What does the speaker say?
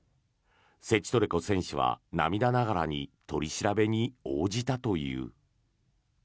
セチトレコ選手は、涙ながらに取り調べに応じたという。